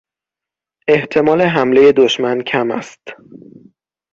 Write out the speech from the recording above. احتمال حملهی دشمن کم است.